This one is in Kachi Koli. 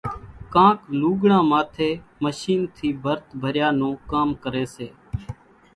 ڪانڪ لوُڳڙان ماٿيَ مشينين ٿِي ڀرت ڀريا نون ڪام ڪريَ سي۔